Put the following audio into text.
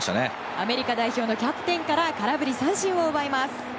アメリカ代表キャプテンから空振り三振を奪います。